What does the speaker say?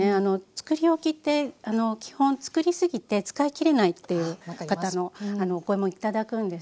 つくりおきって基本つくり過ぎて使い切れないっていう方のお声も頂くんですが。